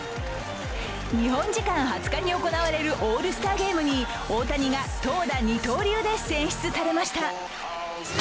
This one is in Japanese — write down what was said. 日本時間２０日に行われるオールスターゲームに大谷が投打二刀流で選出されました。